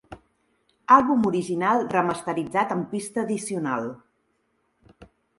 Àlbum original remasteritzat amb pista addicional.